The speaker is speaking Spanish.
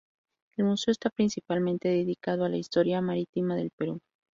El museo está principalmente dedicado a la historia marítima del Perú.